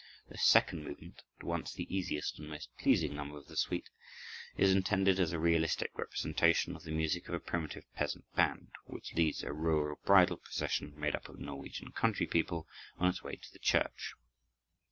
This second movement, at once the easiest and most pleasing number of the suite, is intended as a realistic representation of the music of a primitive peasant band, which leads a rural bridal procession, made up of Norwegian countrypeople, on its way to the church.